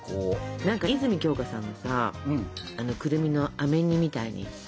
何か泉鏡花さんのさくるみのあめ煮みたいにさ